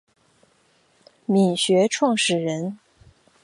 黾学创始人。